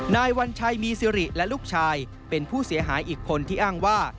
วัญชัยมีสิริและลูกชายเป็นผู้เสียหายอีกคนที่อ้างว่า